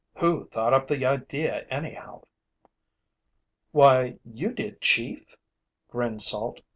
"Who thought up the idea anyhow?" "Why, you did, Chief," grinned Salt.